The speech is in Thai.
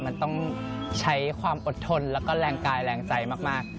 มันต้องใช้ความอดทนแล้วก็แรงกายแรงใจมาก